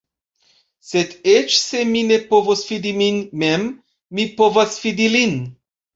Sed, eĉ se mi ne povos fidi min mem, mi povas fidi lin.